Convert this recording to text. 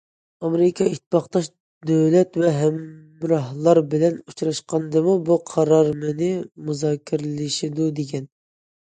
ئامېرىكا ئىتتىپاقداش دۆلەت ۋە ھەمراھلار بىلەن ئۇچراشقاندىمۇ بۇ قارالمىنى مۇزاكىرىلىشىدۇ، دېگەن.